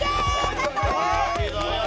頑張れ！